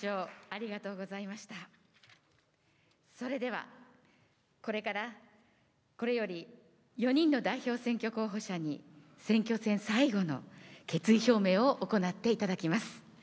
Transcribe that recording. それでは、これより４人の代表選挙候補者に、選挙戦最後の決意表明を行っていただきます。